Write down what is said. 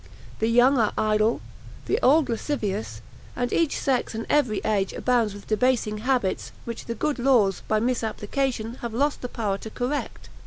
The young are idle, the old lascivious, and each sex and every age abounds with debasing habits, which the good laws, by misapplication, have lost the power to correct.